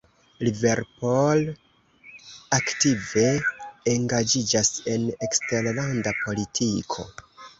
Liverpool aktive engaĝiĝas en eksterlanda politiko.